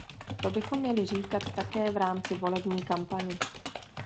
To bychom měli říkat také v rámci volební kampaně.